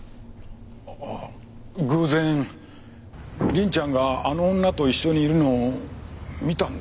ああ偶然凛ちゃんがあの女と一緒にいるのを見たんですよ。